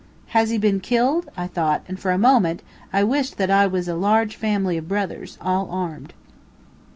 "Has he been killed?" I thought, and, for a moment, I wished that I was a large family of brothers all armed.